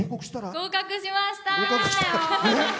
合格しました！